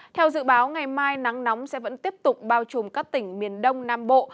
theo dự báo ngày mai nắng nóng sẽ vẫn tiếp tục bao trùm các tỉnh miền đông nam bộ